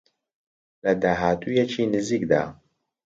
لە داهاتوویەکی نزیکدا